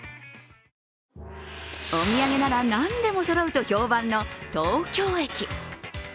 お土産なら何でもそろうと評判の東京駅。